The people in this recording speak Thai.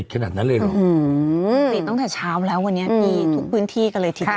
ติดตั้งแต่เช้าแล้ววันนี้ทุกพื้นที่กันเลย